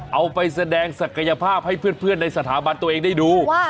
เอาไปแสดงศักยภาพให้เพื่อนในสถาบันตัวเองได้ดู